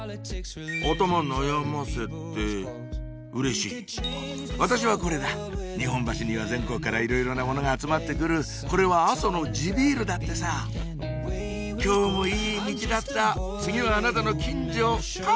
頭悩ませてうれしい私はこれだ日本橋には全国からいろいろなものが集まって来るこれは阿蘇の地ビールだってさ今日もいいミチだった次はあなたの近所かも？